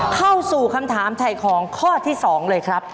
เข้าสู่คำถามถ่ายของข้อที่๒เลยครับ